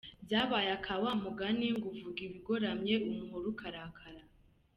Byabaye aka wa mugani ngo uvuga ibigoramye umuhoro ukarakara.